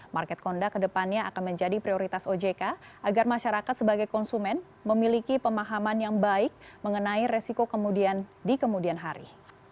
market conduct kedepannya akan menjadi prioritas ojk agar masyarakat sebagai konsumen memiliki pemahaman yang baik mengenai resiko kemudian di kemudian hari